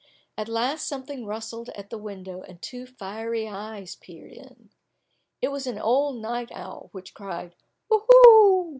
At last something rustled at the window, and two fiery eyes peered in. It was an old night owl, which cried, "Uhu!"